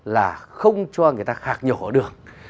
là không cho người ta khạc nhỏ được